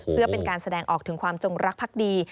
เพื่อเป็นการแสดงออกถึงความจงรักภักดี